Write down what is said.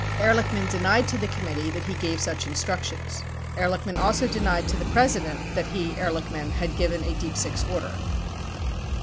7 Ehrlichman denied to the committee that he gave such instructions. 8 Ehrlichman also denied to the President that he (Ehrlichman) had given a "deep six" order.